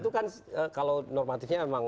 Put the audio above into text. itu kan kalau normatifnya